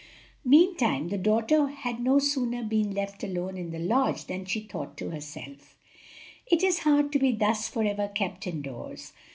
Meantime, the daughter had no sooner been left alone in the lodge than she thought to herself: "It is hard to be thus forever kept in doors.